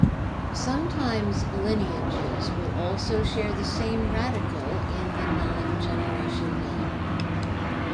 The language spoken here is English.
Sometimes lineages will also share the same radical in the non-generation name.